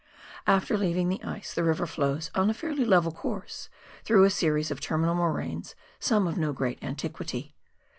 After leaving the ice the river flows on a fairly level course, through a series of terminal moraines, some of no great antiquity.